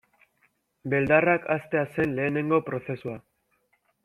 Beldarrak haztea zen lehenengo prozesua.